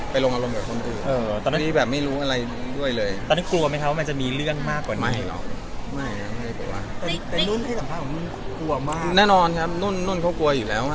ไปลงอารมณ์กับคนอื่น